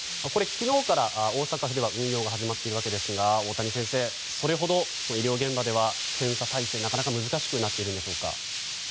これは昨日から大阪府では運用が始まっていますが大谷先生、それほど医療現場では検査体制難しくなっているんでしょうか。